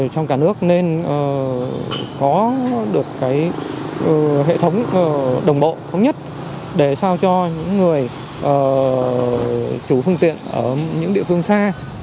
trong cả nước nên có được hệ thống đồng bộ thống nhất để sao cho những người chủ phương tiện ở những địa phương xa